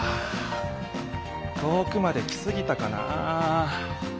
遠くまで来すぎたかなあ。